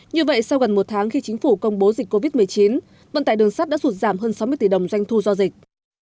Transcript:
như vậy sau gần một tháng khi chính phủ công bố dịch covid một mươi chín vận tải đường sắt đã sụt giảm hơn sáu mươi tỷ đồng doanh thu do dịch